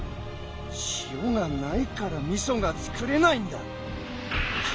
塩がないからみそが造れないんだ。